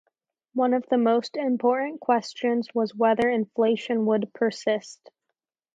One of the most important questions was whether inflation would persist.